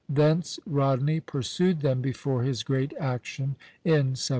Thence Rodney pursued them before his great action in 1782.